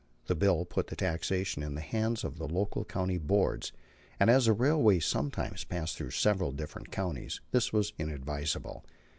The bill put the taxation in the hands of the local county boards, and as the railways sometimes passed through several different counties, this was inadvisable.